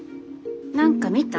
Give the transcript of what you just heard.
何か見た？